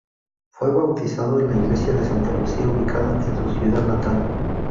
Fue bautizado en la Iglesia de Santa Lucía ubicada en su ciudad natal.